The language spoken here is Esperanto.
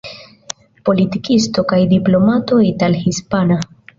Politikisto kaj diplomato ital-hispana.